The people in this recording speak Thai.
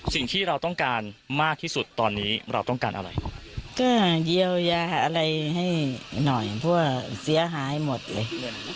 สิ่งที่เราต้องการมากที่สุดตอนนี้เราต้องการอะไรก็เยียวยาอะไรให้หน่อยเพราะว่าเสียหายหมดเลย